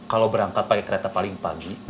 kalau berangkat pakai kereta paling pagi